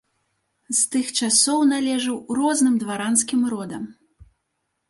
З тых часоў належыў розным дваранскім родам.